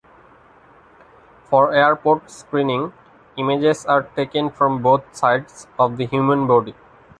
For airport screening, images are taken from both sides of the human body.